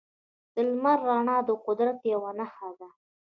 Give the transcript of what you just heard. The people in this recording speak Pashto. د لمر رڼا د قدرت یوه نښه ده.